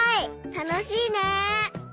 たのしいね！